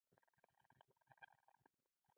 د سړي ګوتو درد وکړ.